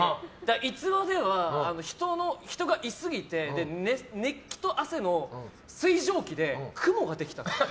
逸話では人がいすぎて熱気と汗の水蒸気で雲ができてる。